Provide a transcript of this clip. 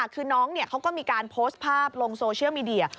คือน้องเขาก็มีการโพสต์ภาพลงโซเชียลมีเดีย